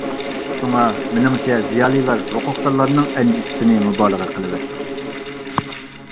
شۇڭا مېنىڭچە زىيالىيلار ھوقۇقدارلارنىڭ ئەندىشىسىنى مۇبالىغە قىلىۋەتتى.